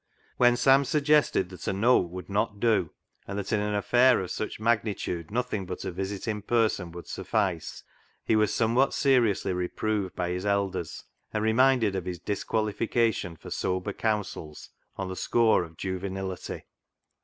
When Sam suggested that a note would not do, and that in an affair of such magnitude nothing but a visit in person would suffice, he was somewhat seriously reproved by his elders, and reminded of his disqualification for sober counsels on the score of juvenility.